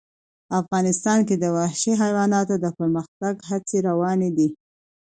افغانستان کې د وحشي حیوانات د پرمختګ هڅې روانې دي.